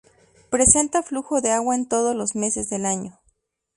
Presenta flujo de agua en todos los meses del año.